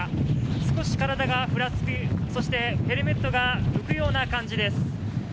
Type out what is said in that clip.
少し体がふらつき、ヘルメットが浮くような感じです。